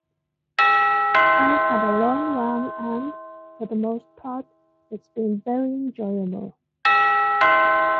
I've had a long run and, for the most part, it's been very enjoyable.